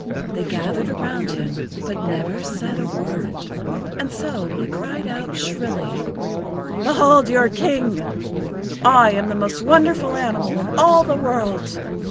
They gathered around him, but said never a word. And so he cried out shrilly: "Behold your King! I am the most wonderful animal in all the world.